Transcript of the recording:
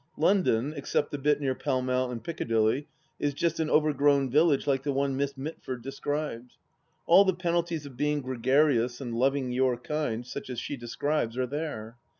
London, except the bit near Pall Mall and Piccadilly, is just an over grown village like the one Miss Mitford described. All the penalties of being gregarious and loving your kind, such as she describes, are there.